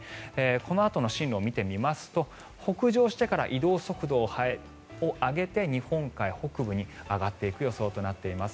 このあとの進路を見てみますと北上してから移動速度を上げて日本海北部に上がっていく予想となっています。